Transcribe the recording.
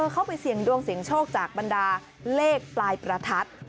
ไปเสี่ยงดวงเสี่ยงโชคจากบรรดาเลขปลายประทัด